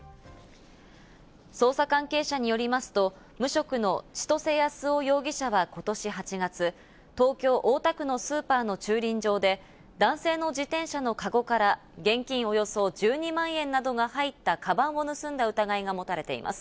捜査関係者によりますと、無職の千歳康雄容疑者は今年８月、東京・大田区のスーパーの駐輪場で男性の自転車のかごから現金およそ１２万円などが入ったかばんを盗んだ疑いが持たれています。